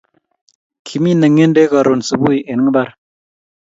Kimine ngedek karun subui en imbar